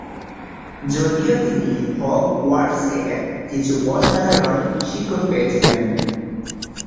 যদিও তিনি হগওয়ার্টসে কিছু অসাধারণ শিক্ষক পেয়েছিলেন।